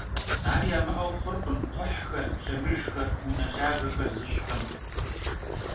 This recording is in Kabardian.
Ar yamı'eu xhurkhım kxhuhxer, lhemıjjxer, vune lhagexer zış'xem.